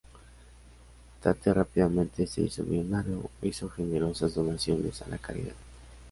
Tate rápidamente se hizo millonario e hizo generosas donaciones a la caridad.